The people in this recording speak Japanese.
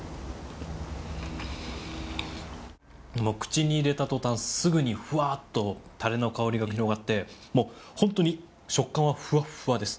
口に入れた途端、すぐにふわっとタレの香りが広がってもう本当に食感はふわっふわです。